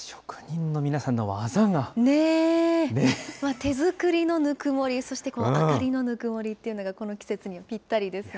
手作りのぬくもり、そして明かりのぬくもりっていうのがこの季節にはぴったりですね。